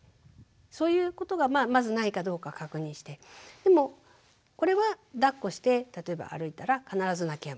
そういうことがまずないかどうか確認してでもこれはだっこして例えば歩いたら必ず泣きやむ。